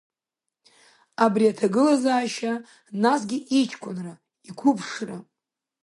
Абри аҭагылазаашьа насгьы иҷкәынра, иқәыԥшра…